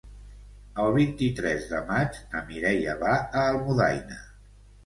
El vint-i-tres de maig na Mireia va a Almudaina.